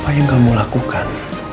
apa yang kamu lakukan